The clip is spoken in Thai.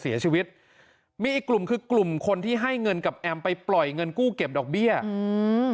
เสียชีวิตมีอีกกลุ่มคือกลุ่มคนที่ให้เงินกับแอมไปปล่อยเงินกู้เก็บดอกเบี้ยอืม